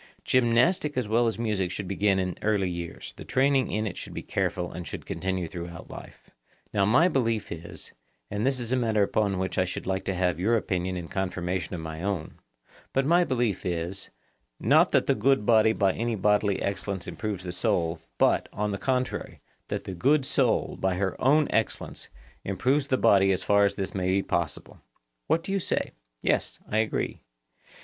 Gymnastic as well as music should begin in early years; the training in it should be careful and should continue through life. Now my belief is,—and this is a matter upon which I should like to have your opinion in confirmation of my own, but my own belief is,—not that the good body by any bodily excellence improves the soul, but, on the contrary, that the good soul, by her own excellence, improves the body as far as this may be possible. What do you say? Yes, I agree.